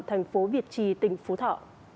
thành phố việt trì tỉnh phú thọ